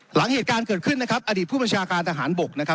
หลังเหตุการณ์เกิดขึ้นนะครับอดีตผู้บัญชาการทหารบกนะครับ